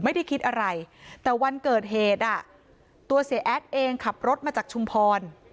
ไม่ได้คิดอะไรแต่วันเกิดเหตุอ่ะตัวเสียแอดเองขับรถมาจากชุมพร